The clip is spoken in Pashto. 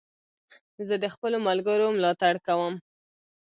زه د خپلو ملګرو ملاتړ کوم.